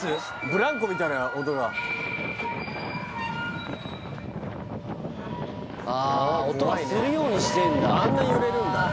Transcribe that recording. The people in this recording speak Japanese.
ブランコみたいな音がああ音がするようにしてんだ怖いねあんな揺れるんだ？